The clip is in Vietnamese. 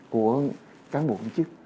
của cán bộ công chức